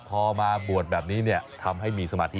พอมาบวชแบบนี้ทำให้มีสมาธิ